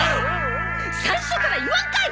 最初から言わんかい！